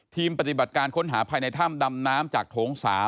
ปฏิบัติการค้นหาภายในถ้ำดำน้ำจากโถง๓